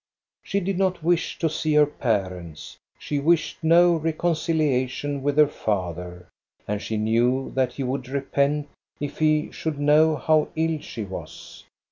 She did not wish to see her parents; she wished no reconciliation with her father, and she knew that he would repent if^he should know how ill she was.